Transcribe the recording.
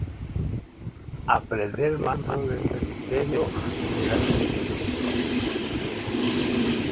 Esto implicó pagar indemnizaciones al concesionario.